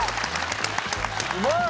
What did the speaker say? うまい！